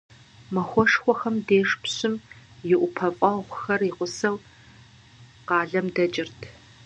Махуэшхуэхэм деж пщым и ӀупэфӀэгъухэр и гъусэу къалэм дэкӀырт.